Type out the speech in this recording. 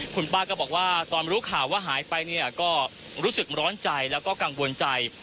คุณป้าก็บอกว่าตอนรู้ข่าวว่าหายไปเนี่ยก็รู้สึกร้อนใจแล้วก็กังวลใจ